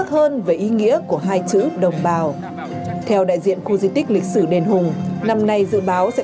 hơn về ý nghĩa của hai chữ đồng bào theo đại diện khu di tích lịch sử đền hùng năm nay dự báo sẽ